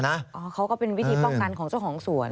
เขาก็เป็นวิธีป้องกันของเจ้าของสวน